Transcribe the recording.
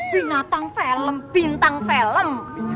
binatang film bintang film